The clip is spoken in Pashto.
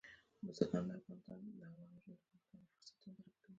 بزګان د افغان نجونو د پرمختګ لپاره فرصتونه برابروي.